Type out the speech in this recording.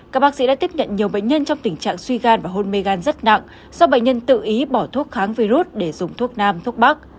các bác sĩ đã tiếp nhận nhiều bệnh nhân trong tình trạng suy gan và hôn mê gan rất nặng do bệnh nhân tự ý bỏ thuốc kháng virus để dùng thuốc nam thuốc bắc